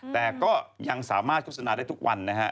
แต่ก็ยังสามารถโฆษณาได้ทุกวันนะฮะ